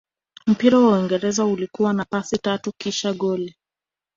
mpira wa uingereza ulikuwa wa pasi tatu kisha goli